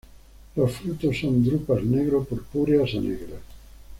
Los frutos son drupas negro purpúreas a negras.